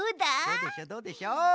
どうでしょうどうでしょう？